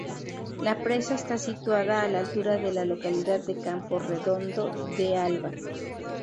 La presa está situada a la altura de la localidad de Camporredondo de Alba.